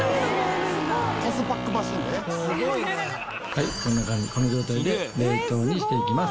はいこの状態で冷凍にしていきます。